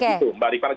begitu mbak rifana